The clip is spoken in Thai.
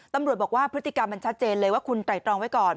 ตำรวจบอกว่าพฤติกรรมมันชัดเจนเลยว่าคุณไตรตรองไว้ก่อน